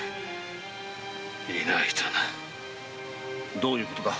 どういうことだ？